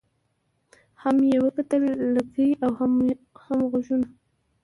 هم یې وکتل لکۍ او هم غوږونه